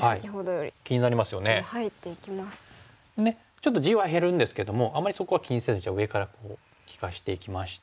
ちょっと地は減るんですけどもあんまりそこは気にせず上から利かしていきまして。